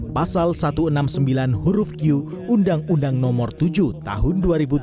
pasal satu ratus enam puluh sembilan huruf q undang undang nomor tujuh tahun dua ribu tujuh belas